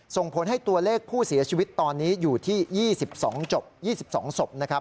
ส่งผลให้ตัวเลขผู้เสียชีวิตตอนนี้อยู่ที่๒๒ศพนะครับ